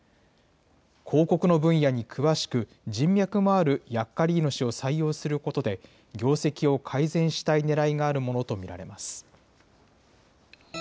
広告の分野に詳しく、人脈もあるヤッカリーノ氏を採用することで、業績を改善したいねらいがあるものと見られます。